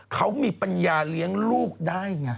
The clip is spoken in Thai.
เขามีปัญญาเลี้ยงลูกได้ไง